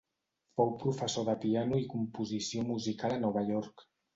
Fou professor de piano i composició musical a Nova York.